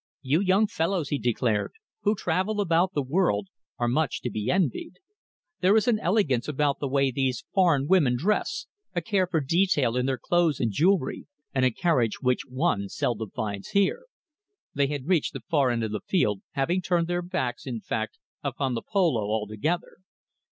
"You young fellows," he declared, "who travel about the world, are much to be envied. There is an elegance about the way these foreign women dress, a care for detail in their clothes and jewellery, and a carriage which one seldom finds here." They had reached the far end of the field, having turned their backs, in fact, upon the polo altogether.